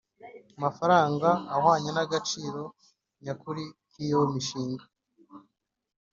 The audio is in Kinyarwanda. Mafaranga ahwanye n agaciro nyakuri k iyo mishinga